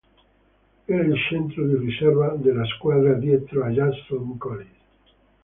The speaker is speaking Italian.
Era il centro di riserva della squadra dietro a Jason Collins.